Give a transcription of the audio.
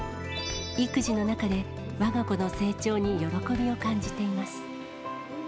育児の中でわが子の成長に喜びを感じています。